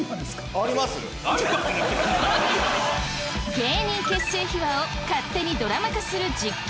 芸人結成秘話を勝手にドラマ化する実験